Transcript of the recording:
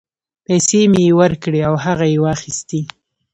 پیسې مې یې ورکړې او هغه یې واخیستې.